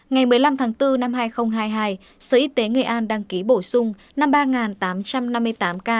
ngày một mươi năm tháng bốn năm hai nghìn hai mươi hai sở y tế nghệ an đăng ký bổ sung năm mươi ba tám trăm năm mươi tám ca